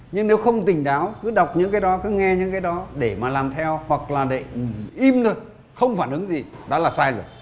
nhưng nếu không tỉnh táo cứ đọc những cái đó cứ nghe những cái đó để mà làm theo hoặc là để in thôi không phản ứng gì đó là sai rồi